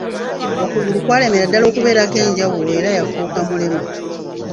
Okugulu kwalemera ddala okubeerako enjawulo, era yafuuka mulema.